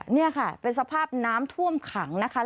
นี่ค่ะเป็นสภาพน้ำท่วมขังนะคะ